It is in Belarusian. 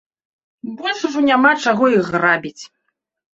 Больш ужо няма чаго і грабіць.